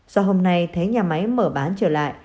do hôm nay thấy nhà máy mở bán trở lại